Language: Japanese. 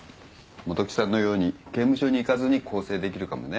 元木さんのように刑務所に行かずに更生できるかもね。